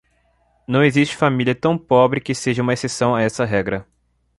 Não existe família tão pobre que seja uma exceção a essa regra.